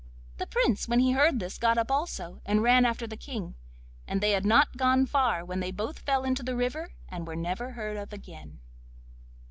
The Prince when he heard this got up also, and ran after the King, and they had not gone far when they both fell into the river and were never heard of again.